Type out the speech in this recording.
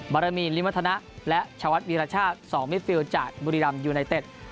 บารมีนลิมทนะและชาวัฒน์วิรัชชาติสองมิดฟิลด์จากบุรีรัมย์ยูไนเต็ด